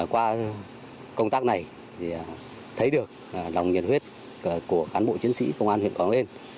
qua công tác này thấy được lòng nhiệt huyết của cán bộ chiến sĩ công an huyện quảng uyên